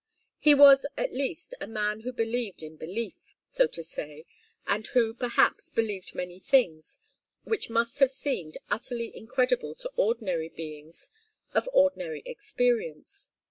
He was, at least, a man who believed in belief, so to say, and who, perhaps, believed many things which must have seemed utterly incredible to ordinary beings of ordinary experience.